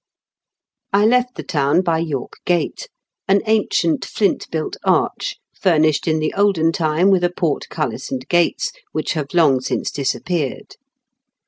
I left the town by York Gate, an ancient flint built arch, furnished in the olden time with a portcullis and gates, which have long since disappeared.